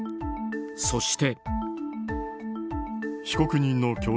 そして。